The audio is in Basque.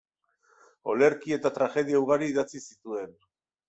Olerki eta tragedia ugari idatzi zituen.